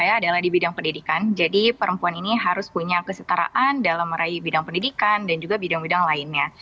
saya adalah di bidang pendidikan jadi perempuan ini harus punya kesetaraan dalam meraih bidang pendidikan dan juga bidang bidang lainnya